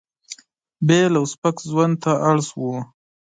بېل او سپک ژوند ته اړ شول.